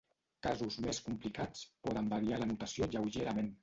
Casos més complicats poden variar la notació lleugerament.